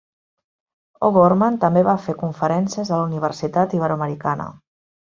O'Gorman també va fer conferències a la Universitat Iberoamericana.